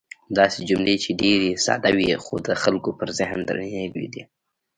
داسې جملې چې ډېرې ساده وې، خو د خلکو پر ذهن درنې لوېدې.